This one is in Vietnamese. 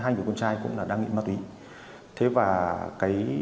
hai người con trai cũng là đa nghị ma túy